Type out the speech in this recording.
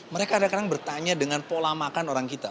mereka kadang kadang bertanya dengan pola makan orang kita